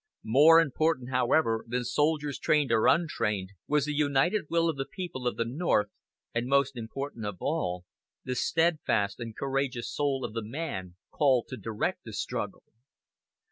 More important, however, than soldiers trained or untrained, was the united will of the people of the North; and most important of all the steadfast and courageous soul of the man called to direct the struggle.